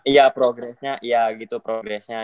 iya progress nya ya gitu progress nya